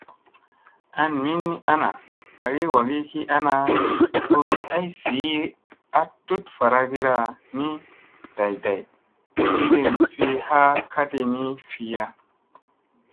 An min ni ana agi wagi ki ana hurun ay viʼira a tut varagira ni, day day, iirin fi ha ka ɗi ni fiya.